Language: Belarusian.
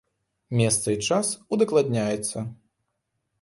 Месца і час удакладняецца.